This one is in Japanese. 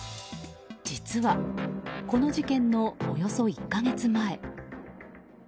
実は、この事件のおよそ１か月前。